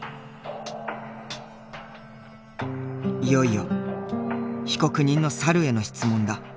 いよいよ被告人の猿への質問だ。